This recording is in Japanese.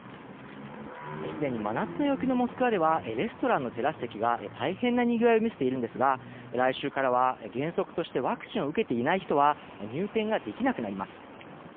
すでに真夏の陽気のモスクワではレストランのテラス席が大変なにぎわいを見せているんですが来週からは原則としてワクチンを受けていない人は入店ができなくなります。